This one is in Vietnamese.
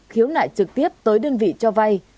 khiếu nải trực tiếp tới đơn vị cho vai